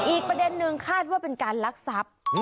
อีกประเด็นนึงคาดว่าเป็นการลักทรัพย์